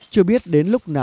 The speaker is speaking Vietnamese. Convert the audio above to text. chưa biết đến lúc này